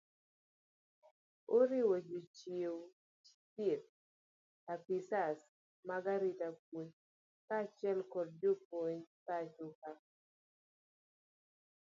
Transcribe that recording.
oriwo jochiw thieth ,apisas mag arita kwee kaachiel kod jopuony pacho ka